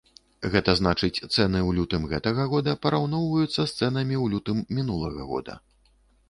Гэта значыць, цэны ў лютым гэтага года параўноўваюцца з цэнамі ў лютым мінулага года.